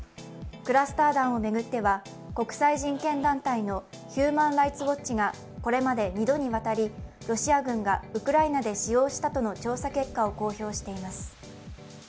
クラスター弾を巡っては国際人権団体のヒューマン・ライツ・ウォッチがこれまで２度にわたりロシア軍がウクライナで使用したとの調査結果を公表しています。